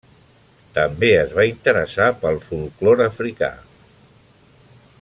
També es va interessar pel folklore africà.